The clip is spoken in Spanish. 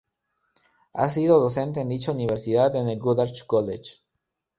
Ha sido docente en dicha universidad y en el Goddard College.